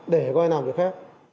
để coi làm cho phép